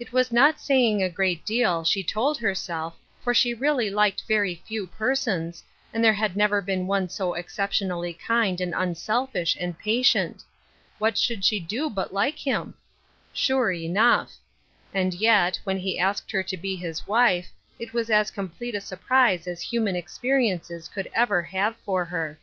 It was not sapng a great deal, she told herself, for she really liked very few persons, and there had never been one so exceptionally kind and unselfish and patient. What should she do but like him ? Sure enough I And yet, when he asked her to be his wife, it was as complete a surprise as human ex periences could ever have for her.